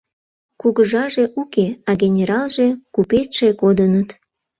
— Кугыжаже уке, а генералже, купечше кодыныт.